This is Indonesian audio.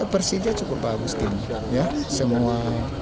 persija cukup bagus tim ya semua